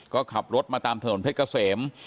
ก็ขับรถมาตามถนนเพชรเกษม